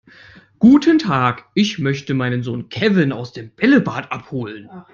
Guten Tag, ich möchte meinen Sohn Kevin aus dem Bällebad abholen.